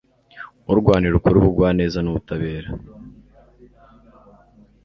urwanira ukuri ubugwaneza n’ubutabera